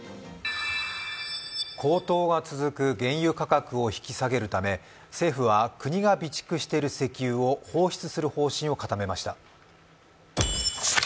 高騰が続く原油価格を引き下げるため政府は国が備蓄している石油を放出する方針を固めました。